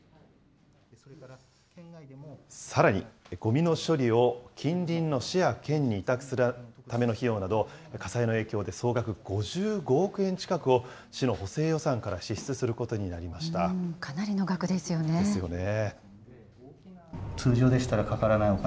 さらに、ごみの処理を近隣の市や県に委託するための費用など、火災の影響で総額５５億円近くを、市の補正予算から支出することになりましかなりの額ですよね。